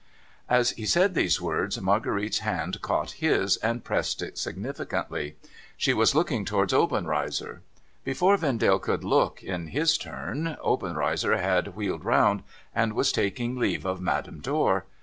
As he said those words, Marguerite's hand caught his, and pressed it significantly. She was looking towards Obenreizer. Before Vendale could look, in his turn, Obenreizer had wheeled round, and was taking leave of Madame Dor.